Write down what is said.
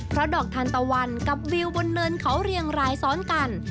เพราะดอกทานตะวันกับวิวบนเนินเขาเรียงรายซ้อนกัน